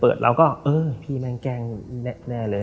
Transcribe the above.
พี่แจ๊คจะเปิดพี่มันแกล้งแน่เลย